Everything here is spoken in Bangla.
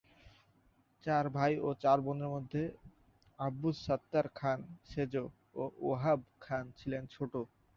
চার ভাই ও চার বোনের মধ্যে আব্দুস সাত্তার খাঁন সেজ ও ওহাব খাঁন ছিলেন ছোট।